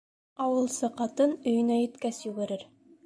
Ауылсы ҡатын өйөнә еткәс йүгерер.